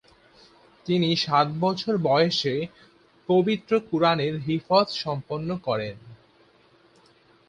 তিনি সাত বছর বয়সে পবিত্র কুরআনের হিফজ সম্পন্ন করেন।